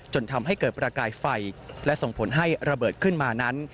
จนทำให้เกิดประกายไฟและส่งผลให้ระเบิดขึ้นมานั้น